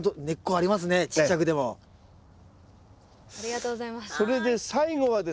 ありがとうございます。